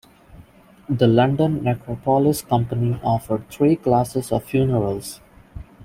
The London Necropolis Company offered three classes of funerals.